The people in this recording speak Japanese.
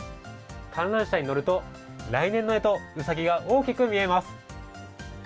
観覧車に乗ると、来年のえと、うさぎが大きく見えます。